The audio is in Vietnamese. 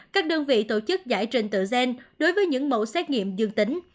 các đơn vị tổ chức giải trình tự gen đối với những mẫu xét nghiệm dương tính